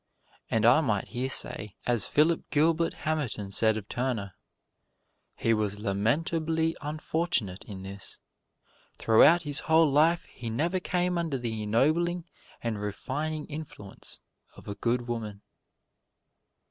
And I might here say as Philip Gilbert Hamerton said of Turner, "He was lamentably unfortunate in this: throughout his whole life he never came under the ennobling and refining influence of a good woman."